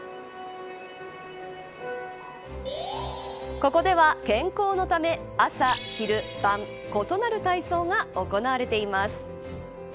ここでは健康のため朝、昼、晩、異なる体操が行われています。